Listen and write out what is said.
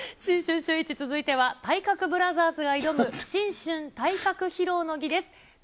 シューイチ続いては、体格ブラザーズが挑む新春体格披露の儀です。